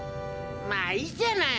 まあいいじゃない。